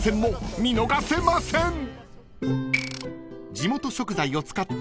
［地元食材を使った］